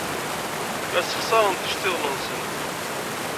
La ssexṣarenT iceḍḍiḍen-nsent.